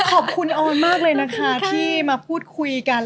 ขอบคุณออนมากเลยนะคะที่มาพูดคุยกัน